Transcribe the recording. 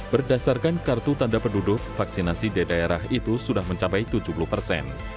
berdasarkan kartu tanda penduduk vaksinasi di daerah itu sudah mencapai tujuh puluh persen